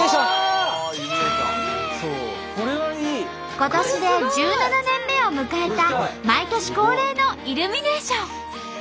今年で１７年目を迎えた毎年恒例のイルミネーション。